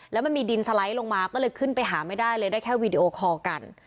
แล้วมันมีดินสไลด์ลงมาก็เลยขึ้นไปหาไม่ได้เลยได้แค่วีดีโอคอลกัน